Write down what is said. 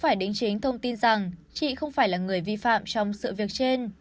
chủ tài khoản tên lan hương tô cũng phải định thông tin rằng chị không phải là người vi phạm trong sự việc trên